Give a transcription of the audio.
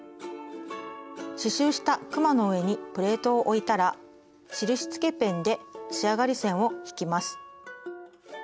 刺しゅうしたくまの上にプレートを置いたら印つけペンで仕上がり線を引きます。